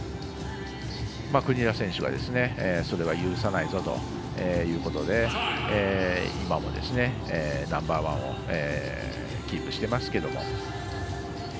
国枝選手がそれは許さないぞということで今もナンバーワンをキープしていますけれども。